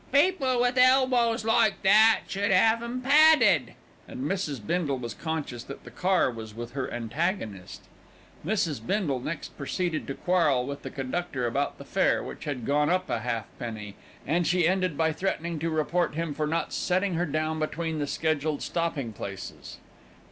"People with elbows like that should 'ave 'em padded," and Mrs. Bindle was conscious that the car was with her antagonist. Mrs. Bindle next proceeded to quarrel with the conductor about the fare, which had gone up a halfpenny, and she ended by threatening to report him for not setting her down between the scheduled stopping places.